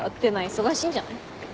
忙しいんじゃない？